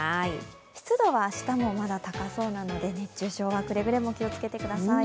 湿度は明日もまだ高そうなので、熱中症はくれぐれも気をつけてください。